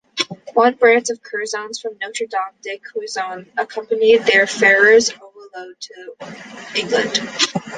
One branch of the Curzons from Notre-Dame-de-Courson accompanied their Ferrers overlord to England.